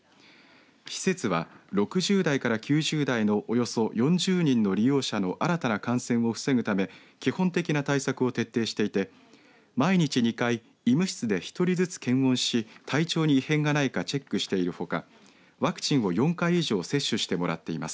施設は６０代から９０代のおよそ４０人の利用者の新たな感染を防ぐため基本的な対策を徹底していて毎日２回医務室で１人ずつ検温し体調に異変がないかチェックしているほかワクチンを４回以上接種してもらっています。